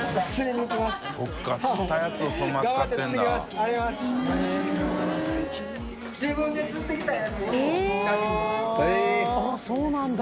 あっそうなんだ。